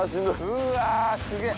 うわすげえ。